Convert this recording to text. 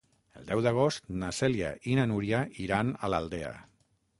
El deu d'agost na Cèlia i na Núria iran a l'Aldea.